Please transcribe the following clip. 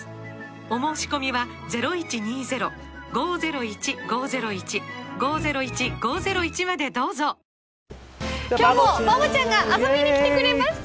お申込みは今日もバボちゃんが遊びに来てくれました。